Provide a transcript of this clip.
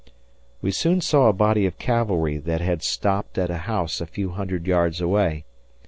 We soon saw a body of cavalry that had stopped at a house a few hundred yards away.